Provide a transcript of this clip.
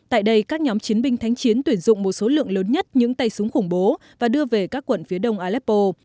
tại đây các nhóm chiến binh thánh chiến tuyển dụng một số lượng lớn nhất những tay súng khủng bố và đưa về các quận phía đông aleppo